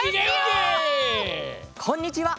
こんにちは。